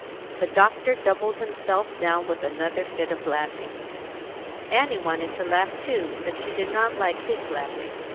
The doctor doubled himself down with another fit of laughing. Annie wanted to laugh too, but she did not like his laughing.